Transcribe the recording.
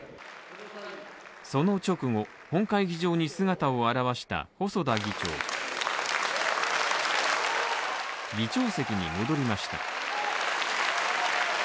その直後、本会議場に姿を現した細田議長議長席に戻りました。